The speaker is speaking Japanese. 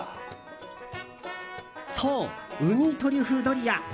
そう、ウニトリュフドリア！